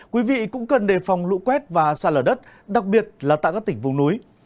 quý vị cũng cần đề phòng lũ quét và xa lở đất đặc biệt là tại các tỉnh vùng núi